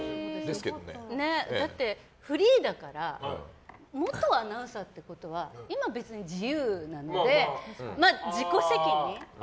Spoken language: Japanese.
だって、フリーだから元アナウンサーってことは今、別に自由なので自己責任。